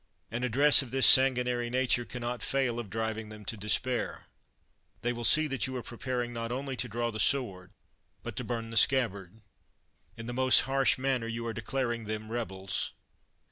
An address of this san guinary nature can not fail of driving them to despair. They will see that you are preparing, not only to draw the sword, but to burn the scab bard. In the most harsh manner you are de» daring them rebels!